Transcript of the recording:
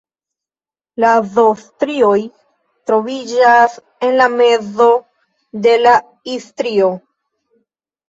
La Z-strioj troviĝas en la mezo de la I-strio.